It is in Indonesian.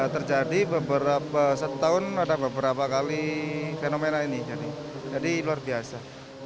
terjadi beberapa setahun ada beberapa kali fenomena ini jadi luar biasa